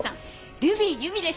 ルビー由美です。